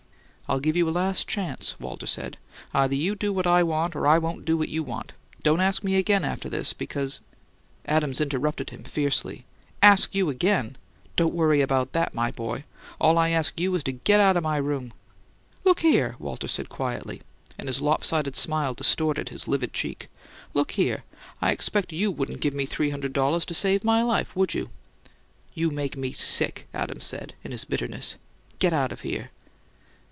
"I'll give you a last chance," Walter said. "Either you do what I want, or I won't do what you want. Don't ask me again after this, because " Adams interrupted him fiercely. "'Ask you again!' Don't worry about that, my boy! All I ask you is to get out o' my room." "Look here," Walter said, quietly; and his lopsided smile distorted his livid cheek. "Look here: I expect YOU wouldn't give me three hundred dollars to save my life, would you?" "You make me sick," Adams said, in his bitterness. "Get out of here."